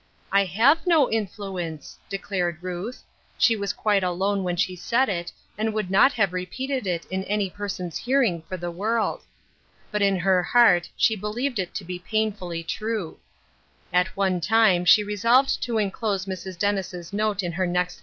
" I have no influ ence, " declared Ruth ; she was quite alone when she said it, and would not have repeated it in any person's hearing for the world. But in her heart she believed it to be painfully true ; at one time she resolved to inclose Mrs. Dennis's note in her next 164 A TROUBLESOME " YOUNG PERSON."